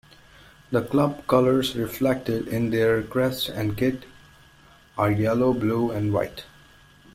The club colours, reflected in their crest and kit, are yellow, blue and white.